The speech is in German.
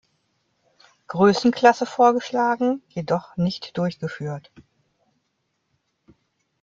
Größenklasse vorgeschlagen, jedoch nicht durchgeführt.